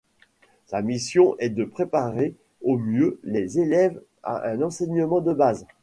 Sa mission est de préparer au mieux les élèves à un enseignement de base.